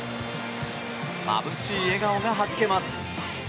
まぶしい笑顔がはじけます。